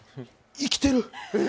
生きてる！